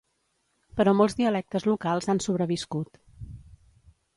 Però molts dialectes locals han sobreviscut.